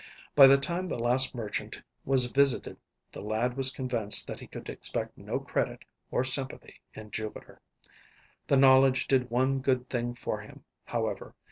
By the time the last merchant was visited the lad was convinced that he could expect no credit or sympathy in Jupiter. The knowledge did one good thing for him, however.